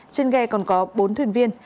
trên ghe còn có bốn thuyền viên